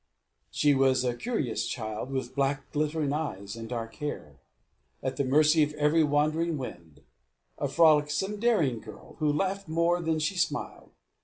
She was a curious child, with black, glittering eyes, and dark hair; at the mercy of every wandering wind; a frolicsome, daring girl, who laughed more than she smiled.